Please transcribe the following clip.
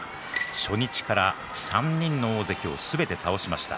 初日から３人の大関をすべて倒しました。